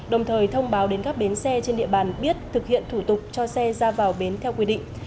đồng thời thông báo đến các bến xe trên địa bàn biết thực hiện thủ tục cho xe ra vào bến theo quy định